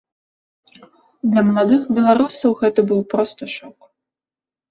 Для маладых беларусаў гэта быў проста шок.